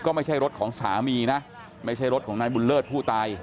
ก็ไม่ใช่รถของสามีนะไม่ใช่รถของนายบุญเลิศผู้ตาย